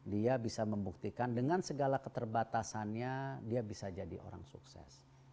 dia bisa membuktikan dengan segala keterbatasannya dia bisa jadi orang sukses